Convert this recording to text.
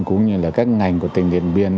cũng như là các ngành của tỉnh điện biên